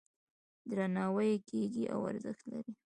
درناوی یې کیږي او ارزښت لري.